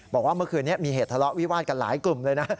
บอกว่าเมื่อคืนนี้มีเหตุทะเลาะวิวาดกันหลายกลุ่มเลยนะ